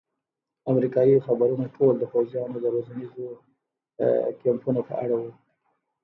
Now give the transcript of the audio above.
امریکایي خبرونه ټول د پوځیانو د روزنیزو کمپونو په اړه وو.